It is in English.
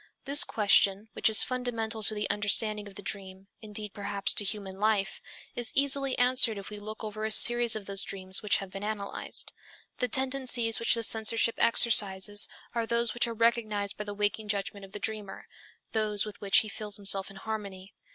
This question, which is fundamental to the understanding of the dream, indeed perhaps to human life, is easily answered if we look over a series of those dreams which have been analyzed. The tendencies which the censorship exercises are those which are recognized by the waking judgment of the dreamer, those with which he feels himself in harmony.